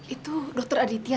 itu dokter aditya